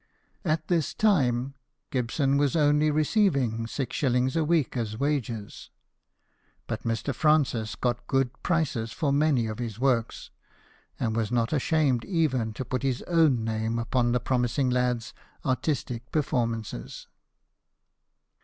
At this time, Gibson was only receiving six shillings a week as wages ; but Mr. Francis got good prices for many of his works, and was not ashamed even to put his own name upon the promising lad's artistic performances.